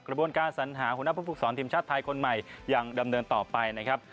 กระบวนการสัญหาหัวหน้าผู้ฝึกศรทีมชาติไทยคนใหม่ยังดำเนินต่อไปนะครับ